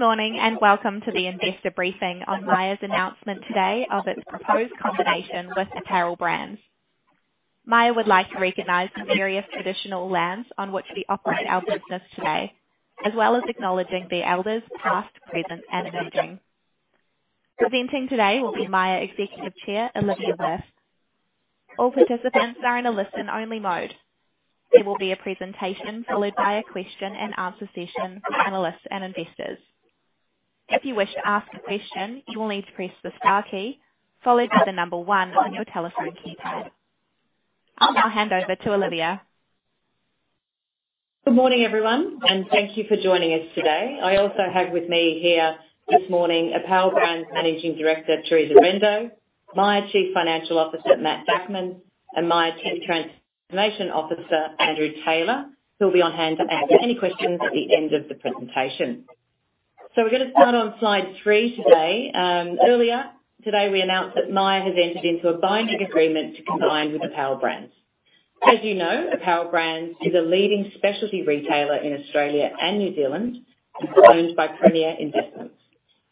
Good morning, and welcome to the investor briefing on Myer's announcement today of its proposed combination with Apparel Brands. Myer would like to recognize the various traditional lands on which we operate our business today, as well as acknowledging the elders, past, present, and emerging. Presenting today will be Myer Executive Chair, Olivia Wirth. All participants are in a listen-only mode. There will be a presentation, followed by a question-and-answer session for analysts and investors. If you wish to ask a question, you will need to press the star key, followed by the number one on your telephone keypad. I'll now hand over to Olivia. Good morning, everyone, and thank you for joining us today. I also have with me here this morning, Apparel Brands Managing Director Teressa Rendo, Myer Chief Financial Officer Matt Bachmann, and Myer Chief Transformation Officer Andrew Taylor, who will be on hand to answer any questions at the end of the presentation. So we're gonna start on slide three today. Earlier today, we announced that Myer has entered into a binding agreement to combine with Apparel Brands. As you know, Apparel Brands is a leading specialty retailer in Australia and New Zealand, and owned by Premier Investments.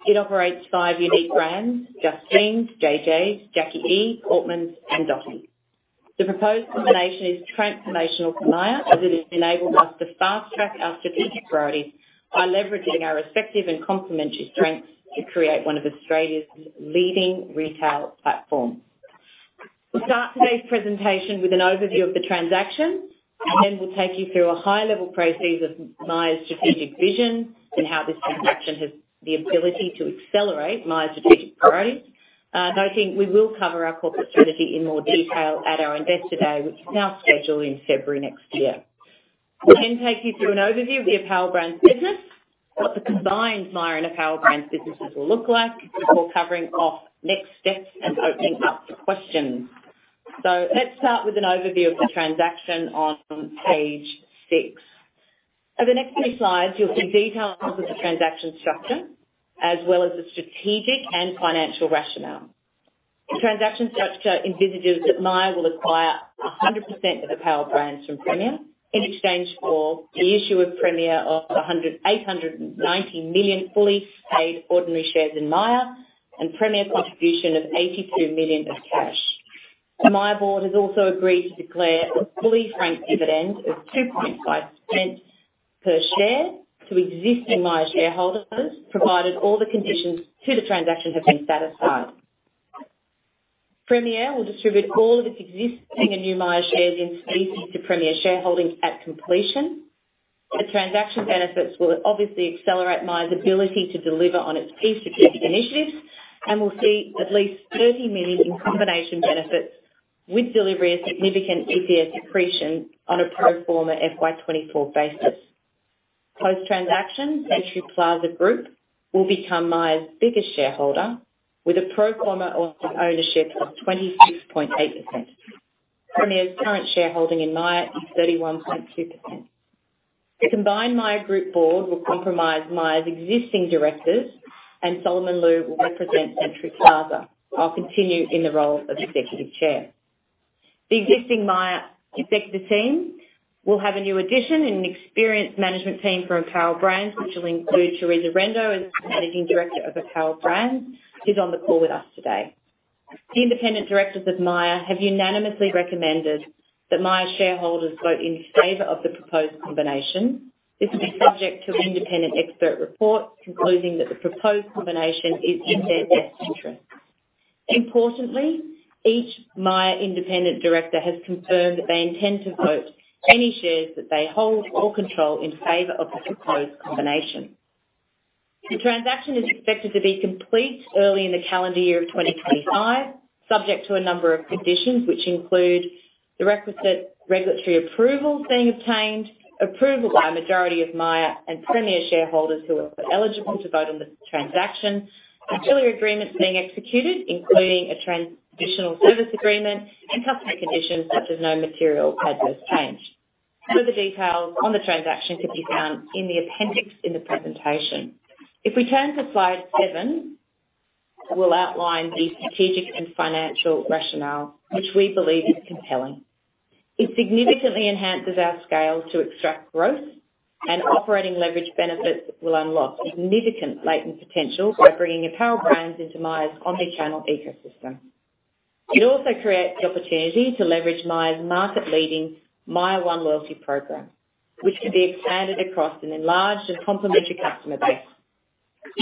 It operates five unique brands: Just Jeans, Jay Jays, Jacqui E, Portmans, and Dotti. The proposed combination is transformational for Myer, as it has enabled us to fast-track our strategic priorities by leveraging our respective and complementary strengths to create one of Australia's leading retail platforms. We'll start today's presentation with an overview of the transaction, and then we'll take you through a high-level overview of Myer's strategic vision and how this transaction has the ability to accelerate Myer's strategic priorities. Noting, we will cover our corporate strategy in more detail at our Investor Day, which is now scheduled in February next year. We'll then take you through an overview of the Apparel Brands business, what the combined Myer and Apparel Brands businesses will look like, before covering off next steps and opening up for questions. So let's start with an overview of the transaction on page six. Over the next few slides, you'll see details of the transaction structure, as well as the strategic and financial rationale. The transaction structure envisages that Myer will acquire 100% of Apparel Brands from Premier, in exchange for the issue to Premier of 890 million fully paid ordinary shares in Myer, and Premier contribution of 82 million of cash. The Myer board has also agreed to declare a fully franked dividend of 0.025 per share to existing Myer shareholders, provided all the conditions to the transaction have been satisfied. Premier will distribute all of its existing and new Myer shares in specie to Premier shareholders at completion. The transaction benefits will obviously accelerate Myer's ability to deliver on its key strategic initiatives, and will see at least 30 million in combination benefits, with delivery of significant EPS accretion on a pro forma FY 2024 basis. Post-transaction, Century Plaza Group will become Myer's biggest shareholder, with a pro forma ownership of 26.8%. Premier's current shareholding in Myer is 31.2%. The combined Myer Group board will comprise Myer's existing directors, and Solomon Lew will represent Century Plaza. I'll continue in the role of Executive Chair. The existing Myer executive team will have a new addition and an experienced management team from Apparel Brands, which will include Teressa Rendo, as Managing Director of Apparel Brands, who's on the call with us today. The independent directors of Myer have unanimously recommended that Myer shareholders vote in favor of the proposed combination. This is subject to an independent expert report, concluding that the proposed combination is in their best interest. Importantly, each Myer independent director has confirmed that they intend to vote any shares that they hold or control in favor of the proposed combination. The transaction is expected to be complete early in the calendar year of 2025, subject to a number of conditions, which include the requisite regulatory approvals being obtained, approval by a majority of Myer and Premier shareholders who are eligible to vote on this transaction, ancillary agreements being executed, including a transitional service agreement, and custom conditions such as no material adverse change. Further details on the transaction can be found in the appendix in the presentation. If we turn to slide seven, we'll outline the strategic and financial rationale, which we believe is compelling. It significantly enhances our scale to extract growth, and operating leverage benefits will unlock significant latent potential by bringing Apparel Brands into Myer's omni-channel ecosystem. It also creates the opportunity to leverage Myer's market-leading Myer One loyalty program, which can be expanded across an enlarged and complementary customer base.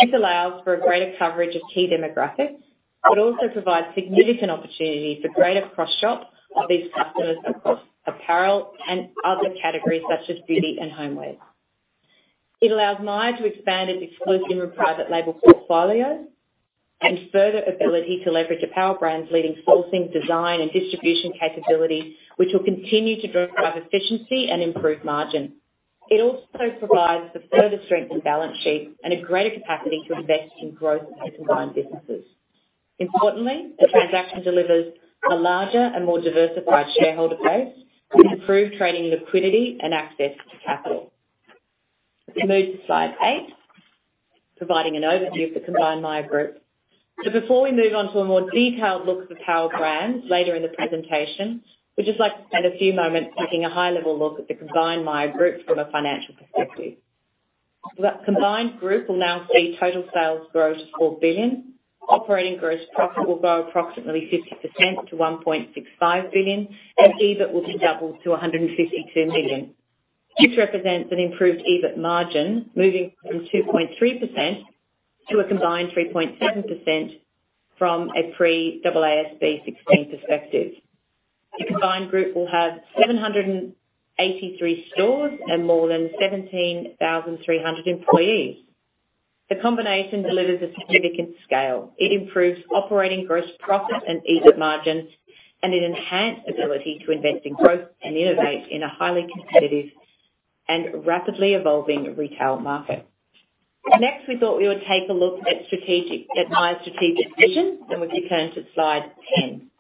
This allows for a greater coverage of key demographics, but also provides significant opportunity for greater cross-shop of these customers across apparel and other categories, such as beauty and homeware. It allows Myer to expand its exclusive and private label portfolio, and further ability to leverage Apparel Brands' leading sourcing, design, and distribution capabilities, which will continue to drive efficiency and improve margin. It also provides the further strength and balance sheet and a greater capacity to invest in growth of the combined businesses. Importantly, the transaction delivers a larger and more diversified shareholder base with improved trading liquidity and access to capital. Let's move to slide eight, providing an overview of the combined Myer Group. Before we move on to a more detailed look at the Power Brands later in the presentation, we'd just like to spend a few moments taking a high-level look at the combined Myer group from a financial perspective. The combined group will now see total sales grow to 4 billion, operating gross profit will grow approximately 50% to 1.65 billion, and EBIT will be doubled to 152 million. This represents an improved EBIT margin, moving from 2.3% to a combined 3.7% from a pre-AASB 16 perspective. The combined group will have 783 stores and more than 17,300 employees. The combination delivers a significant scale. It improves operating gross profit and EBIT margins, and an enhanced ability to invest in growth and innovate in a highly competitive and rapidly evolving retail market. Next, we thought we would take a look at Myer's strategic vision, and we turn to slide 10.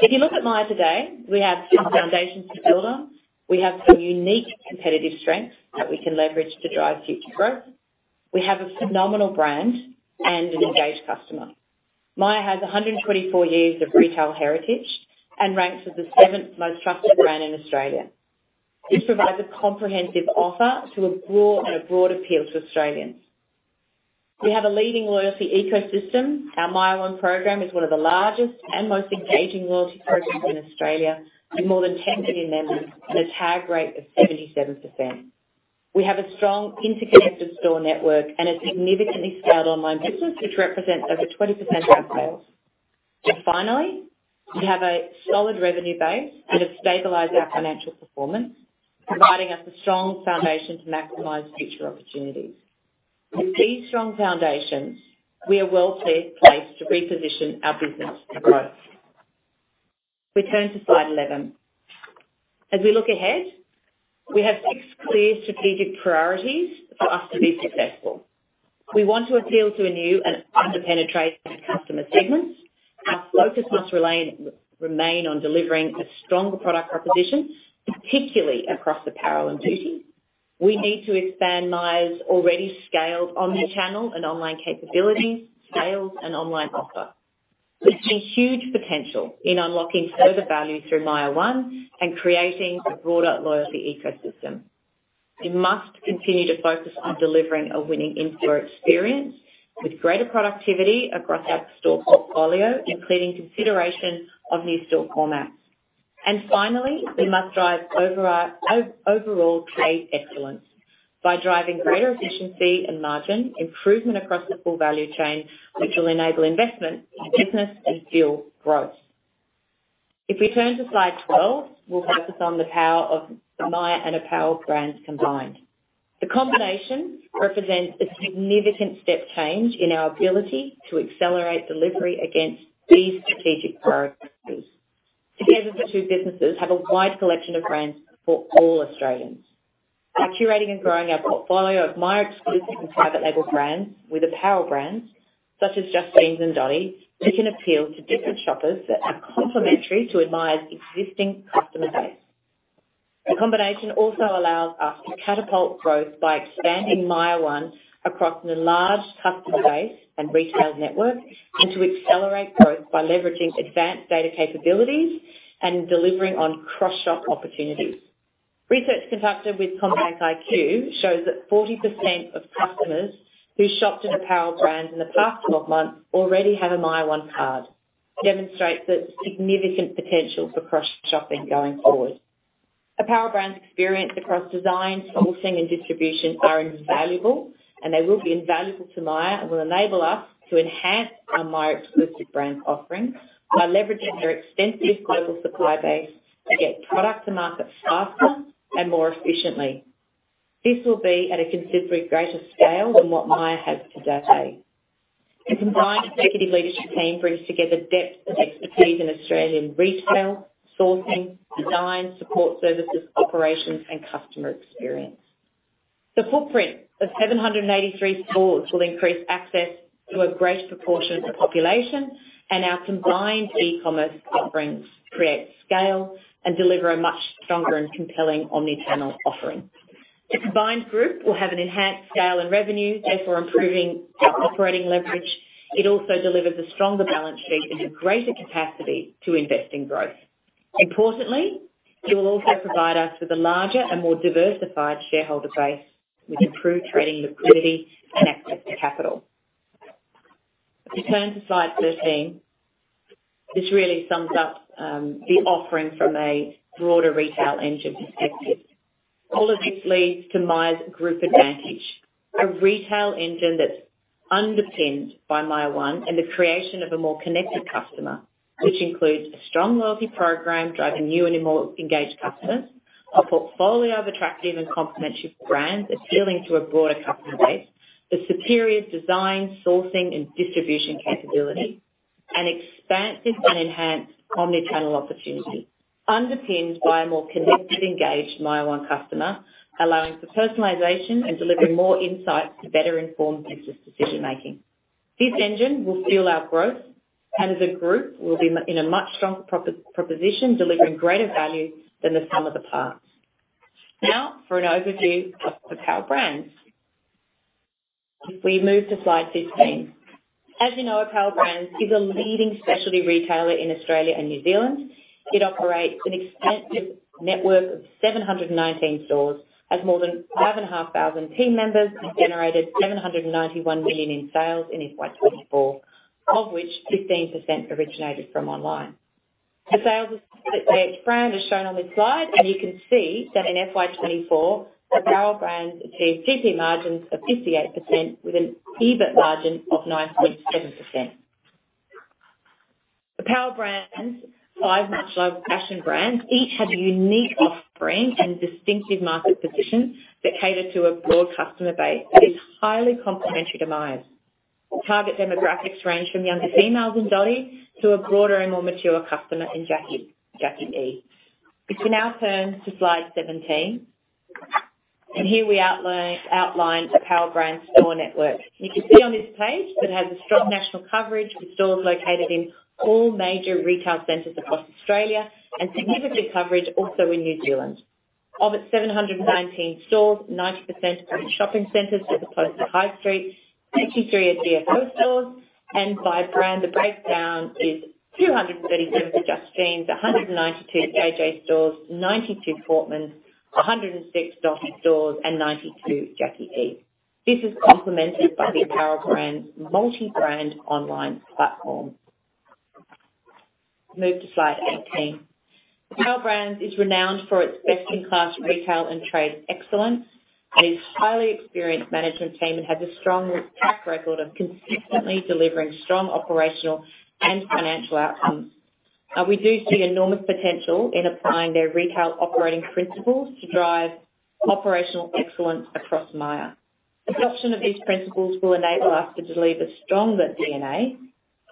If you look at Myer today, we have some foundations to build on. We have some unique competitive strengths that we can leverage to drive future growth. We have a phenomenal brand and an engaged customer. Myer has 124 years of retail heritage and ranks as the seventh most trusted brand in Australia. This provides a comprehensive offer to a broad and broad appeal to Australians. We have a leading loyalty ecosystem. Our Myer One program is one of the largest and most engaging loyalty programs in Australia, with more than 10 million members and a tag rate of 77%. We have a strong interconnected store network and a significantly scaled online business, which represents over 20% of our sales. Finally, we have a solid revenue base that has stabilized our financial performance, providing us a strong foundation to maximize future opportunities. With these strong foundations, we are well placed to reposition our business to growth. We turn to slide 11. As we look ahead, we have six clear strategic priorities for us to be successful. We want to appeal to a new and underpenetrated customer segments. Our focus must remain on delivering a stronger product proposition, particularly across apparel and beauty. We need to expand Myer's already scaled omnichannel and online capability, sales, and online offer. We see huge potential in unlocking further value through Myer One and creating a broader loyalty ecosystem. We must continue to focus on delivering a winning in-store experience with greater productivity across our store portfolio, including consideration of new store formats. And finally, we must drive overall trade excellence by driving greater efficiency and margin improvement across the full value chain, which will enable investment in business and fuel growth. If we turn to slide 12, we'll focus on the power of Myer and Apparel Brands combined. The combination represents a significant step change in our ability to accelerate delivery against these strategic priorities. Together, the two businesses have a wide collection of brands for all Australians. By curating and growing our portfolio of Myer exclusive and private label brands with apparel brands, such as Just Jeans and Dotti, we can appeal to different shoppers that are complementary to Myer's existing customer base. The combination also allows us to catapult growth by expanding Myer One across an enlarged customer base and retail network, and to accelerate growth by leveraging advanced data capabilities and delivering on cross-shop opportunities. Research conducted with CommBank iQ shows that 40% of customers who shopped at apparel brands in the past twelve months already have a Myer One card. This demonstrates the significant potential for cross-shopping going forward. Apparel brands' experience across design, sourcing, and distribution are invaluable, and they will be invaluable to Myer and will enable us to enhance our Myer exclusive brands offering by leveraging their extensive global supply base to get product to market faster and more efficiently. This will be at a considerably greater scale than what Myer has to date. The combined executive leadership team brings together depth of expertise in Australian retail, sourcing, design, support services, operations, and customer experience. The footprint of seven hundred and eighty-three stores will increase access to a great proportion of the population, and our combined e-commerce offerings create scale and deliver a much stronger and compelling omnichannel offering. The combined group will have an enhanced scale and revenue, therefore improving our operating leverage. It also delivers a stronger balance sheet and a greater capacity to invest in growth. Importantly, it will also provide us with a larger and more diversified shareholder base, with improved trading liquidity and access to capital. If you turn to slide thirteen, this really sums up the offering from a broader retail engine perspective. All of this leads to Myer's group advantage, a retail engine that's underpinned by Myer One, and the creation of a more connected customer, which includes a strong loyalty program driving new and more engaged customers, a portfolio of attractive and complementary brands appealing to a broader customer base. The superior design, sourcing, and distribution capability, and expansive and enhanced omnichannel opportunity, underpinned by a more connected, engaged Myer One customer, allowing for personalization and delivering more insights to better inform business decision-making. This engine will fuel our growth, and as a group, we'll be in a much stronger proposition, delivering greater value than the sum of the parts... Now, for an overview of Apparel Brands. If we move to slide sixteen, as you know, Apparel Brands is a leading specialty retailer in Australia and New Zealand. It operates an extensive network of 719 stores, has more than 5,500 team members, and generated 791 million in sales in FY 2024, of which 15% originated from online. The sales of each brand is shown on this slide, and you can see that in FY 2024, Apparel Brands achieved GP margins of 58% with an EBIT margin of 9.7%. Apparel Brands' five much-loved fashion brands each have a unique offering and distinctive market position that cater to a broad customer base that is highly complementary to Myer. Target demographics range from younger females in Dotti to a broader and more mature customer in Jacqui E. If you now turn to slide 17, and here we outline Apparel Brands' store network. You can see on this page that it has a strong national coverage, with stores located in all major retail centers across Australia and significant coverage also in New Zealand. Of its 719 stores, 90% are in shopping centers as opposed to high street, 63 are DFO stores, and by brand, the breakdown is 237 for Just Jeans, 192 Jay Jays stores, 92 Portmans, 106 Dotti stores, and 92 Jacqui E. This is complemented by the Apparel Brands' multi-brand online platform. Move to slide 18. Apparel Brands is renowned for its best-in-class retail and trade excellence, and its highly experienced management team has a strong track record of consistently delivering strong operational and financial outcomes. We do see enormous potential in applying their retail operating principles to drive operational excellence across Myer. Adoption of these principles will enable us to deliver stronger DNA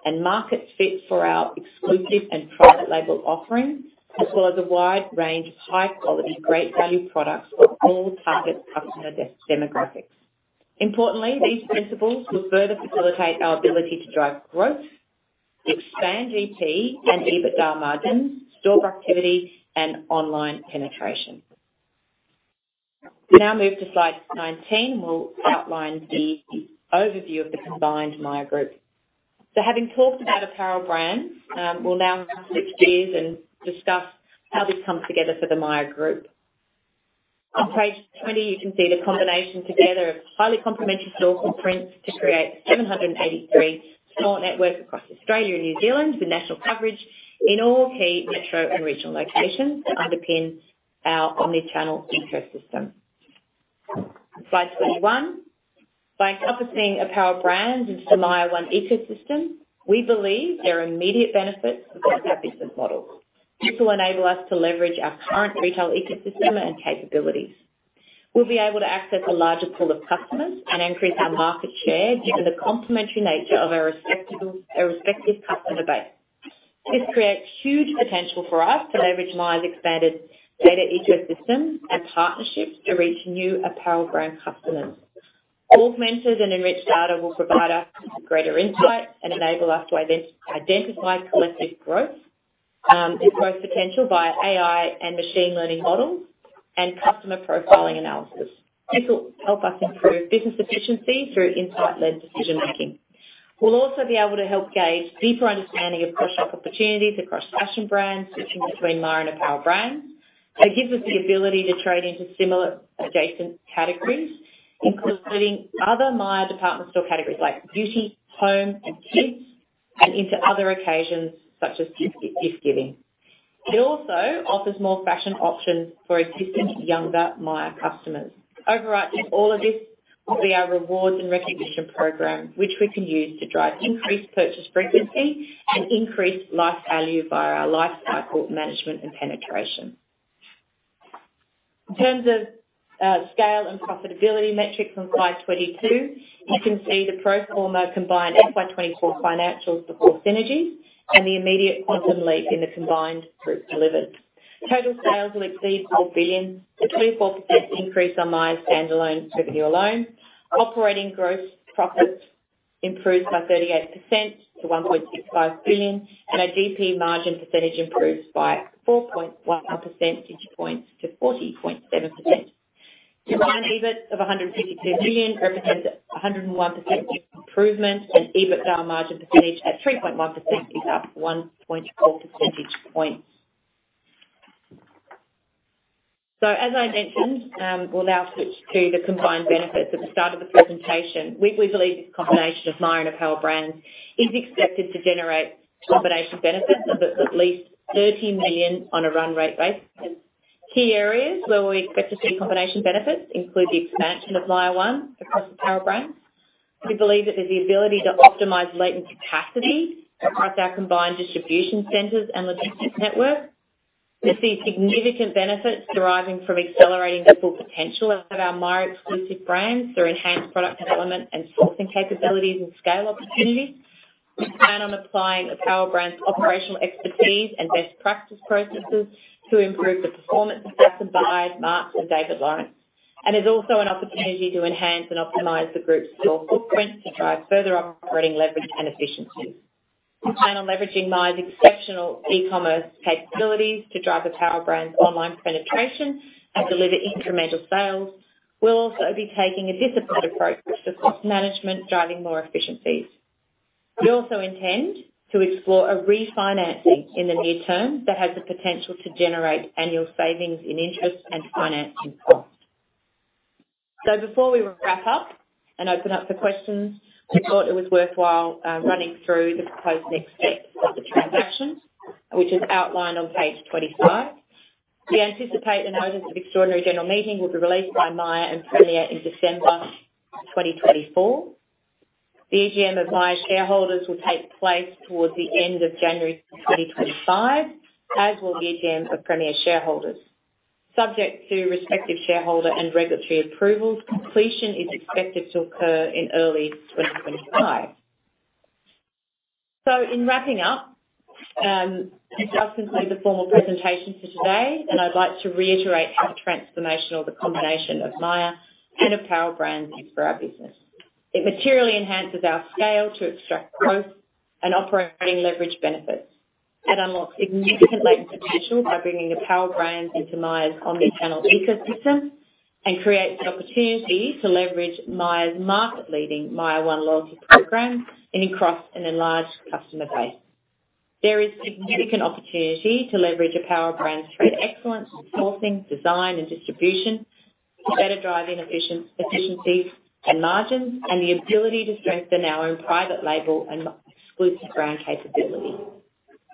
and market fit for our exclusive and private label offerings, as well as a wide range of high-quality, great value products for all target customer demographics. Importantly, these principles will further facilitate our ability to drive growth, expand GP and EBITDA margins, store activity, and online penetration. We now move to slide nineteen; we'll outline the overview of the combined Myer group. Having talked about Apparel Brands, we'll now switch gears and discuss how this comes together for the Myer group. On page twenty, you can see the combination together of highly complementary store footprints to create seven hundred and eighty-three store network across Australia and New Zealand, with national coverage in all key metro and regional locations that underpin our omnichannel ecosystem. Slide twenty-one. By encompassing Apparel Brands into Myer One ecosystem, we believe there are immediate benefits for our business model. This will enable us to leverage our current retail ecosystem and capabilities. We'll be able to access a larger pool of customers and increase our market share due to the complementary nature of our respective customer base. This creates huge potential for us to leverage Myer's expanded data ecosystem and partnerships to reach new Apparel Brand customers. Augmented and enriched data will provide us with greater insight and enable us to identify collective growth and growth potential via AI and machine learning models and customer profiling analysis. This will help us improve business efficiency through insight-led decision-making. We'll also be able to have a deeper understanding of cross-sell opportunities across fashion brands, switching between Myer and Apparel Brands. It gives us the ability to trade into similar adjacent categories, including other Myer department store categories like beauty, home, and kids, and into other occasions, such as gift giving. It also offers more fashion options for existing younger Myer customers. Overarching all of this will be our rewards and recognition program, which we can use to drive increased purchase frequency and increase life value via our lifecycle management and penetration. In terms of scale and profitability metrics on slide 22, you can see the pro forma combined FY 2024 financials before synergies and the immediate quantum leap in the combined group delivered. Total sales will exceed 4 billion, a 24% increase on Myer standalone revenue alone. Operating gross profit improved by 38% to 1.65 billion, and our GP margin percentage improves by 4.1 percentage points to 40.7%. Combined EBIT of a 152 billion represents a 101% improvement, and EBITDA margin percentage at 3.1% is up 1.4 percentage points. So, as I mentioned, we'll now switch to the combined benefits. At the start of the presentation, we believe this combination of Myer and Apparel Brands is expected to generate combination benefits of at least 30 billion on a run rate basis. Key areas where we expect to see combination benefits include the expansion of Myer One across Apparel Brands. We believe that there's the ability to optimize latent capacity across our combined distribution centers and logistics network. We see significant benefits deriving from accelerating the full potential of our Myer exclusive brands through enhanced product development and sourcing capabilities and scale opportunities. We plan on applying Apparel Brands' operational expertise and best practice processes to improve the performance of Marcs and David Lawrence, and there's also an opportunity to enhance and optimize the group's store footprint to drive further operating leverage and efficiency. We plan on leveraging Myer's exceptional e-commerce capabilities to drive apparel brands' online penetration and deliver incremental sales. We'll also be taking a disciplined approach to cost management, driving more efficiencies. We also intend to explore a refinancing in the near term that has the potential to generate annual savings in interest and financing costs, so before we wrap up and open up for questions, I thought it was worthwhile, running through the proposed next steps of the transaction, which is outlined on page 25. We anticipate the notice of extraordinary general meeting will be released by Myer and Premier in December 2024. The AGM of Myer shareholders will take place towards the end of January 2025, as will the AGM of Premier shareholders. Subject to respective shareholder and regulatory approvals, completion is expected to occur in early 2025. So in wrapping up, I'll conclude the formal presentation for today, and I'd like to reiterate how transformational the combination of Myer and Apparel Brands is for our business. It materially enhances our scale to extract costs and operating leverage benefits. It unlocks significant latent potential by bringing Apparel Brands into Myer's omni-channel ecosystem and creates an opportunity to leverage Myer's market-leading Myer One loyalty program and across an enlarged customer base. There is significant opportunity to leverage Apparel Brands' excellent sourcing, design, and distribution to better drive efficiencies and margins, and the ability to strengthen our own private label and exclusive brand capability.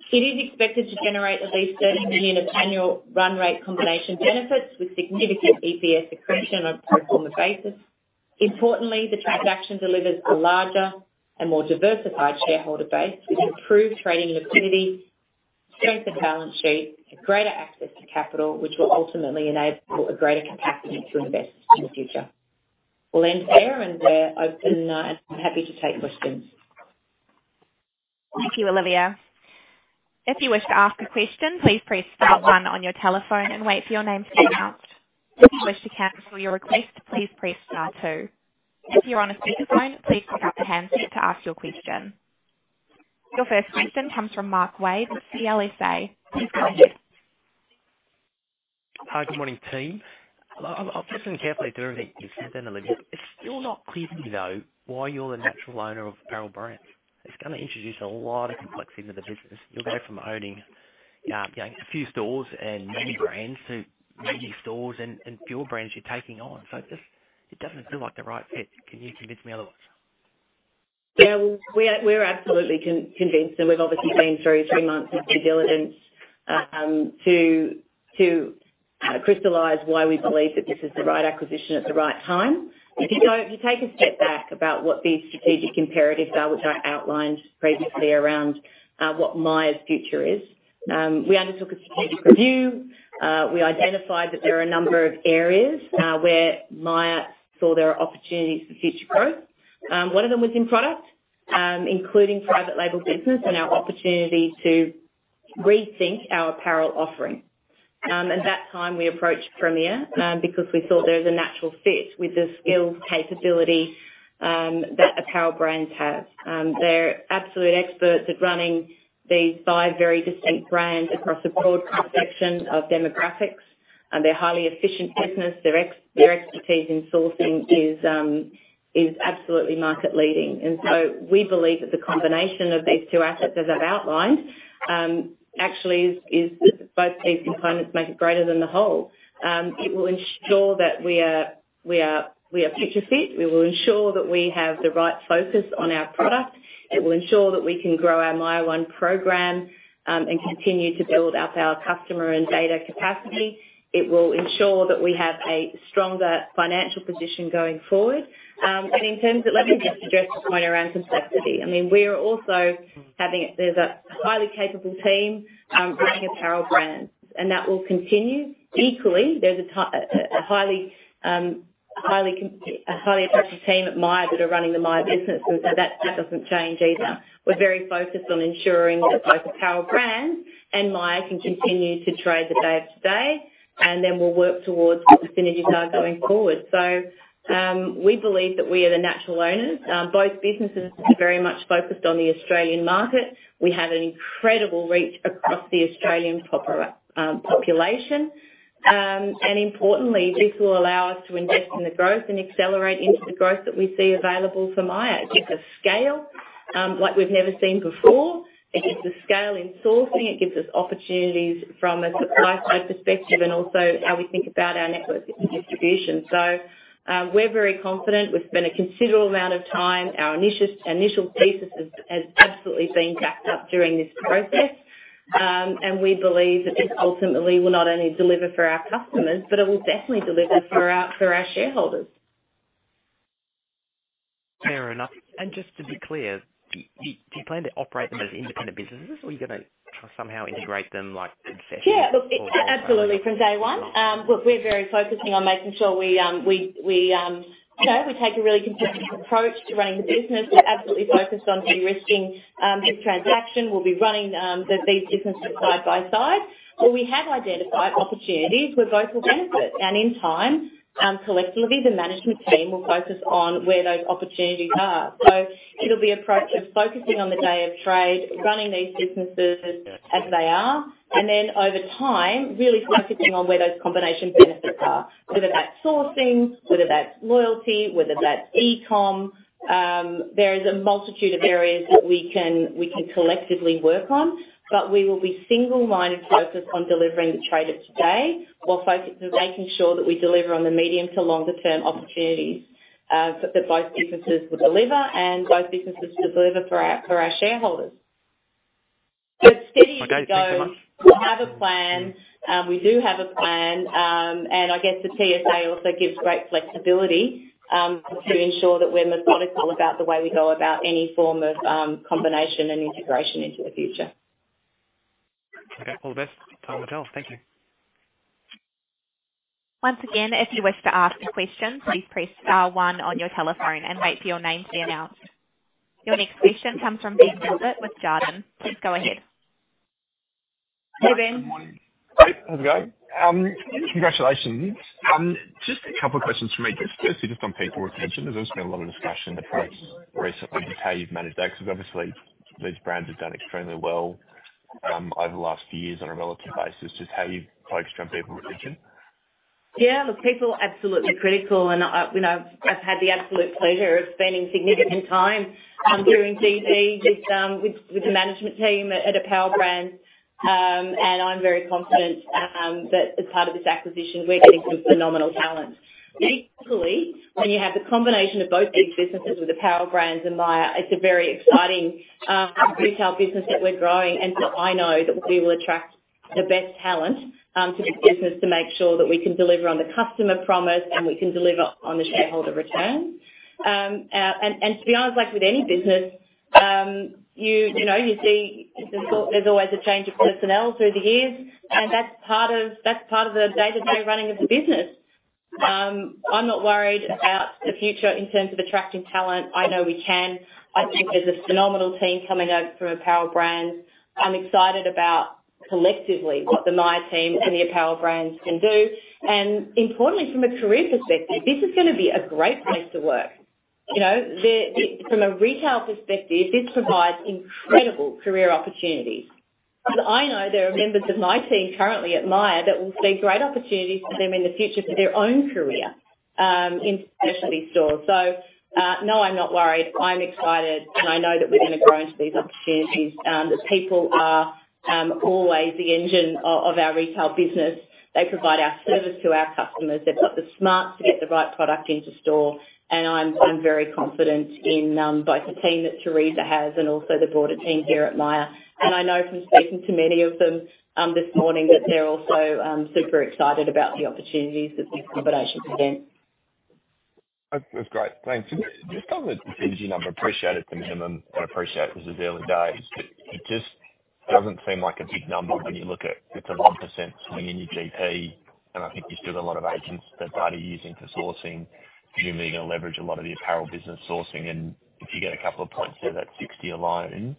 It is expected to generate at least 30 million of annual run rate combination benefits with significant EPS accretion on a pro forma basis. Importantly, the transaction delivers a larger and more diversified shareholder base with improved trading liquidity, strengthened balance sheet, and greater access to capital, which will ultimately enable a greater capacity to invest in the future. We'll end there, and we're open and happy to take questions. Thank you, Olivia. If you wish to ask a question, please press star one on your telephone and wait for your name to be announced. If you wish to cancel your request, please press star two. If you're on a speakerphone, please pick up the handset to ask your question. Your first question comes from Mark Wade, CLSA. Please go ahead. Hi, good morning, team. I'm listening carefully to everything you've said then, Olivia. It's still not clear to me, though, why you're the natural owner of Apparel Brands. It's gonna introduce a lot of complexity into the business. You'll go from owning, you know, a few stores and many brands to many stores and fewer brands you're taking on. So just it doesn't feel like the right fit. Can you convince me otherwise? We are, we're absolutely convinced, and we've obviously been through three months of due diligence, to crystallize why we believe that this is the right acquisition at the right time. If you take a step back about what the strategic imperatives are, which I outlined previously around what Myer's future is, we undertook a strategic review. We identified that there are a number of areas, where Myer saw there are opportunities for future growth. One of them was in product, including private label business and our opportunity to rethink our apparel offering. At that time, we approached Premier, because we thought there was a natural fit with the skill capability, that Apparel Brands have. They're absolute experts at running these five very distinct brands across a broad cross-section of demographics, and they're a highly efficient business. Their expertise in sourcing is absolutely market leading. And so we believe that the combination of these two assets, as I've outlined, actually is both these components make it greater than the whole. It will ensure that we are future fit. We will ensure that we have the right focus on our product. It will ensure that we can grow our Myer One program and continue to build up our customer and data capacity. It will ensure that we have a stronger financial position going forward. And in terms of... Let me just address the point around complexity. I mean, there's a highly capable team running Apparel Brands, and that will continue. Equally, there's a highly effective team at Myer that are running the Myer business, and so that doesn't change either. We're very focused on ensuring that both Apparel Brands and Myer can continue to trade the day-to-day, and then we'll work towards the synergies going forward, so we believe that we are the natural owners. Both businesses are very much focused on the Australian market. We have an incredible reach across the Australian population, and importantly, this will allow us to invest in the growth and accelerate into the growth that we see available for Myer. It gives us scale like we've never seen before. It gives us scale in sourcing, it gives us opportunities from a supply side perspective and also how we think about our network and distribution. So, we're very confident. We've spent a considerable amount of time. Our initial thesis has absolutely been backed up during this process, and we believe that this ultimately will not only deliver for our customers, but it will definitely deliver for our shareholders. Fair enough. Just to be clear, do you plan to operate them as independent businesses, or are you gonna somehow integrate them, like, in session? Yeah, look, absolutely, from day one. Look, we're very focusing on making sure we, you know, we take a really consistent approach to running the business. We're absolutely focused on de-risking this transaction. We'll be running these businesses side by side. But we have identified opportunities where both will benefit, and in time, collectively, the management team will focus on where those opportunities are. So it'll be approach of focusing on the day of trade, running these businesses as they are, and then over time, really focusing on where those combination benefits are, whether that's sourcing, whether that's loyalty, whether that's e-com-... There is a multitude of areas that we can collectively work on, but we will be single-mindedly focused on delivering the trade of today, while focused on making sure that we deliver on the medium to longer term opportunities, that both businesses will deliver for our shareholders. Okay, thanks so much. We have a plan. We do have a plan, and I guess the TSA also gives great flexibility to ensure that we're methodical about the way we go about any form of combination and integration into the future. Okay, all the best. Talk later. Thank you. Once again, if you wish to ask a question, please press star one on your telephone and wait for your name to be announced. Your next question comes from Ben Gilbert with Jarden. Please go ahead. Ben? Good morning. Hi, how's it going? Congratulations. Just a couple of questions from me. Just on people retention, there's been a lot of discussion about recently, just how you've managed that, because obviously these brands have done extremely well over the last few years on a relative basis, just how you've focused on people retention. Yeah, look, people are absolutely critical, and I, you know, I've had the absolute pleasure of spending significant time doing DD with the management team at Apparel Brands. And I'm very confident that as part of this acquisition, we're getting some phenomenal talent. Basically, when you have the combination of both these businesses with Apparel Brands and Myer, it's a very exciting retail business that we're growing. And so I know that we will attract the best talent to the business to make sure that we can deliver on the customer promise, and we can deliver on the shareholder returns. And to be honest, like with any business, you know, you see there's always a change of personnel through the years, and that's part of the day-to-day running of the business. I'm not worried about the future in terms of attracting talent. I know we can. I think there's a phenomenal team coming over from Apparel Brands. I'm excited about collectively, what the Myer team and the Apparel Brands can do. And importantly, from a career perspective, this is gonna be a great place to work. You know, from a retail perspective, this provides incredible career opportunities. And I know there are members of my team currently at Myer that will see great opportunities for them in the future for their own career, in specialty stores. So, no, I'm not worried. I'm excited, and I know that we're going to grow into these opportunities. The people are always the engine of our retail business. They provide our service to our customers. They've got the smarts to get the right product into store, and I'm very confident in both the team that Teresa has and also the broader team here at Myer. And I know from speaking to many of them this morning, that they're also super excited about the opportunities that this combination presents. That's, that's great. Thanks. Just on the synergy number, I appreciate it's minimum, and I appreciate this is early days, but it just doesn't seem like a big number when you look at. It's a low % swing in your GP, and I think there's still a lot of agents that are using for sourcing. Presumably, you're going to leverage a lot of the apparel business sourcing, and if you get a couple of points there, that's 60 alone.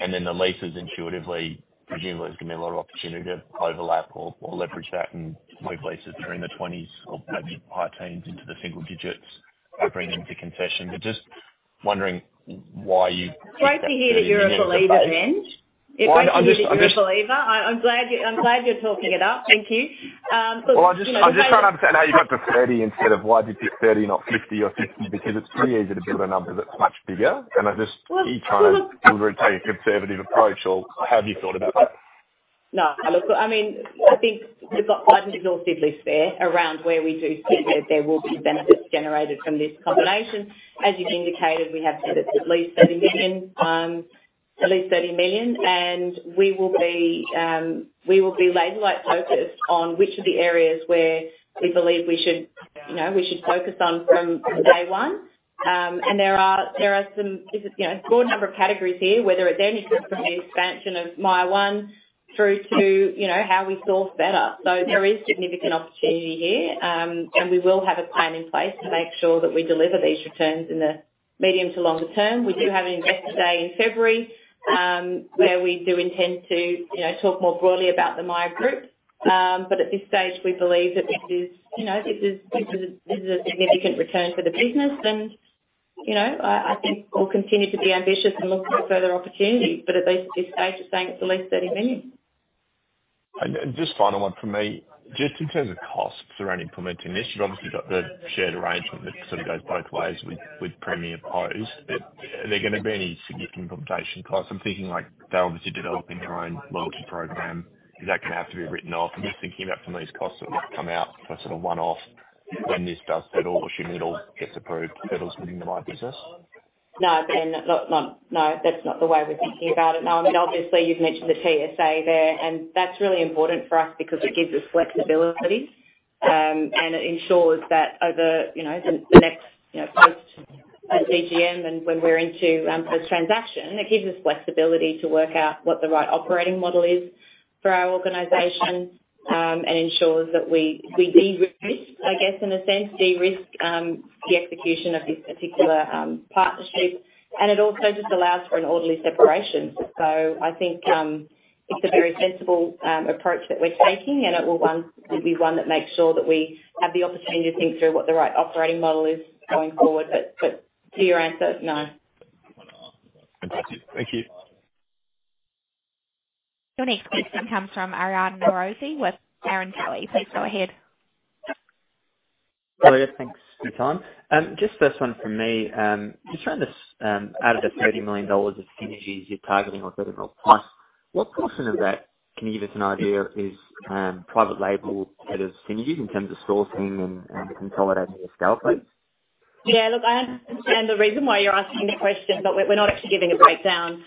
And then the leases intuitively, presumably, there's going to be a lot of opportunity to overlap or, or leverage that and move leases during the twenties or maybe high teens into the single digits by bringing them to concession. But just wondering why you- Great to hear that you're a believer, Ben. I'm just- I'm glad you, I'm glad you're talking it up. Thank you. Look- Well, I'm just, I'm just trying to understand how you got to thirty instead of why you picked thirty, not fifty or sixty, because it's pretty easy to build a number that's much bigger, and I just, are you trying to take a conservative approach or how have you thought about that? No, look, I mean, I think we've got an exhaustive list there around where we do think that there will be benefits generated from this combination. As you've indicated, we have said it's at least 30 million, and we will be laser-like focused on which of the areas where we believe we should, you know, we should focus on from day one. And there are some. You know, a good number of categories here, whether it's anything from the expansion of Myer One through to, you know, how we source better. So there is significant opportunity here, and we will have a plan in place to make sure that we deliver these returns in the medium to longer term. We do have an investor day in February, where we do intend to, you know, talk more broadly about the Myer group. But at this stage, we believe that this is, you know, a significant return for the business. I think we'll continue to be ambitious and look for further opportunities, but at least at this stage, we're saying it's at least 30 million. Just final one from me. Just in terms of costs around implementing this, you've obviously got the shared arrangement that sort of goes both ways with Premier Investments. Are there gonna be any significant implementation costs? I'm thinking like, they're obviously developing their own loyalty program. Is that going to have to be written off? I'm just thinking about some of these costs that might come out for a sort of one-off when this does settle, assuming it all gets approved, settles within my business. No, Ben, no. No, that's not the way we're thinking about it. No, I mean, obviously, you've mentioned the TSA there, and that's really important for us because it gives us flexibility, and it ensures that over, you know, the next, you know, post AGM and when we're into, post-transaction, it gives us flexibility to work out what the right operating model is for our organization, and ensures that we de-risk, I guess, in a sense, de-risk, the execution of this particular, partnership, and it also just allows for an orderly separation. So I think, it's a very sensible, approach that we're taking, and it will be one that makes sure that we have the opportunity to think through what the right operating model is going forward. But to your answer, no. Thank you. Your next question comes from Aryan Norozi with Barrenjoey. Please go ahead. Olivia, thanks for your time. Just first one from me, out of the 30 million dollars of synergies you're targeting on price, what portion of that, can you give us an idea, is private label head of synergies in terms of sourcing and consolidating your scale please? Yeah, look, I understand the reason why you're asking me that question, but we're not actually giving a breakdown.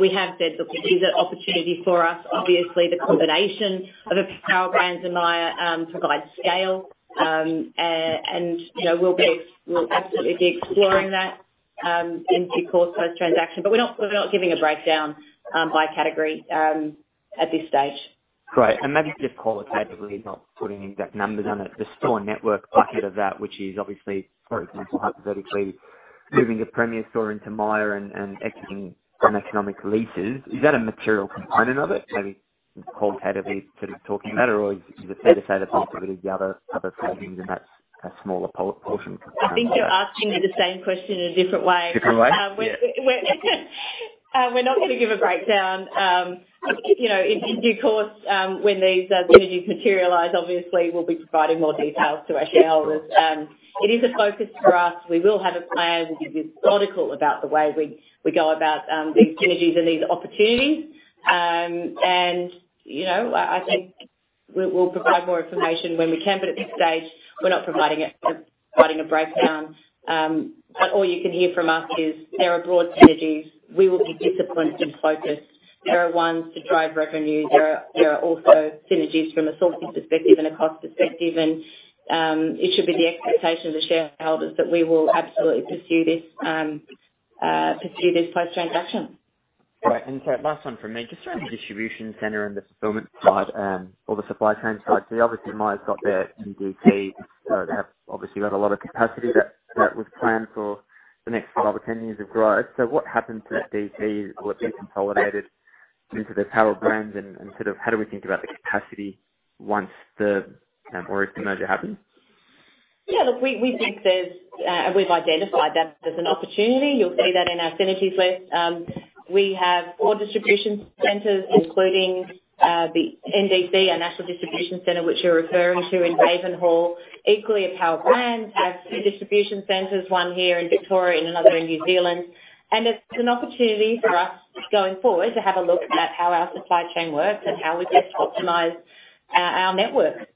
We have said, look, this is an opportunity for us. Obviously, the combination of our brands and Myer provide scale. And, you know, we'll absolutely be exploring that in due course, post-transaction. But we're not giving a breakdown by category at this stage. Great. And maybe just qualitatively, not putting exact numbers on it, the store network bucket of that, which is obviously, for example, hypothetically, moving a Premier store into Myer and exiting from economic leases. Is that a material component of it, maybe qualitatively sort of talking about it? Or is it fair to say that most of it is the other savings, and that's a smaller portion? I think you're asking me the same question in a different way. Different way? Yeah. We're not going to give a breakdown. You know, in due course, when these synergies materialize, obviously we'll be providing more details to our shareholders. It is a focus for us. We will have a plan. We'll be methodical about the way we go about these synergies and these opportunities, and you know, I think we'll provide more information when we can, but at this stage, we're not providing it, a breakdown. But all you can hear from us is there are broad synergies. We will be disciplined and focused. There are ones to drive revenue. There are also synergies from a sourcing perspective and a cost perspective, and it should be the expectation of the shareholders that we will absolutely pursue this post-transaction. Great. And so last one from me. Just around the distribution center and the fulfillment side, or the supply chain side. So obviously, Myer's got their NDC. They have obviously got a lot of capacity that was planned for the next five or 10 years of growth. So what happens to that DC? Will it be consolidated into the Apparel Brands and sort of how do we think about the capacity once the, or if the merger happens? Yeah, look, we think there's, we've identified that there's an opportunity. You'll see that in our synergies list. We have four distribution centers, including the NDC, our national distribution center, which you're referring to in Ravenhall. Equally, Apparel Brands have two distribution centers, one here in Victoria and another in New Zealand. And it's an opportunity for us going forward to have a look at how our supply chain works and how we best optimize our network.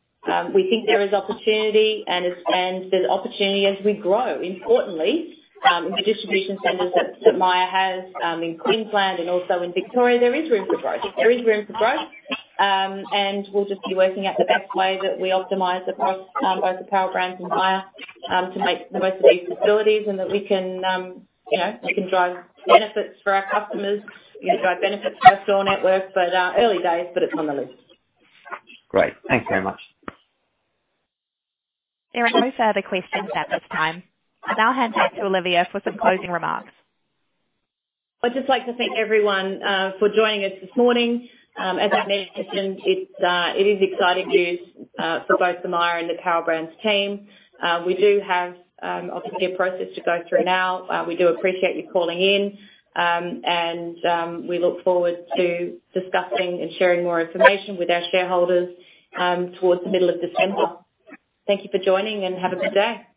We think there is opportunity and it's... And there's opportunity as we grow. Importantly, the distribution centers that Myer has in Queensland and also in Victoria, there is room for growth. There is room for growth, and we'll just be working out the best way that we optimize both the Power Brands and Myer, to make the most of these facilities, and that we can, you know, we can drive benefits for our customers and drive benefits for our store network. But, early days, but it's on the list. Great. Thanks very much. There are no further questions at this time. I now hand back to Olivia for some closing remarks. I'd just like to thank everyone for joining us this morning. As I mentioned, it is exciting news for both the Myer and the Apparel Brands team. We do have obviously a process to go through now. We do appreciate you calling in, and we look forward to discussing and sharing more information with our shareholders towards the middle of December. Thank you for joining, and have a good day.